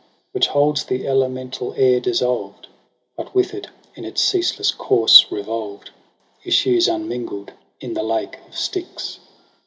Which holds the elemental air dissolved j But with it in its ceaseless course revolved Issues unmingl'd in the lake of Styx.